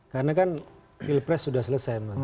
karena kan pilprs sudah selesai